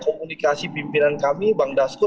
komunikasi pimpinan kami bang dasko